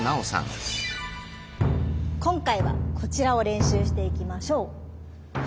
今回はこちらを練習していきましょう。